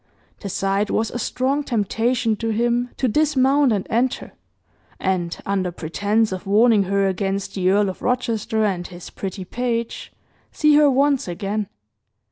The sight was a strong temptation to him to dismount and enter, and, under pretence of warning her against the Earl of Rochester and his "pretty page," see her once again.